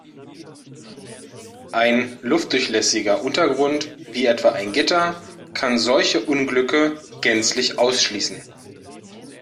Ein luftdurchlässiger Untergrund, wie etwa ein Gitter, kann solche Unglücke gänzlich ausschließen.